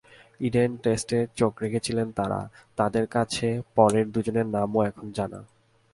Eden টেস্টে চোখ রেখেছিলেন যাঁরা, তাঁদের কাছে পরের দুজনের নামও এখন জানা।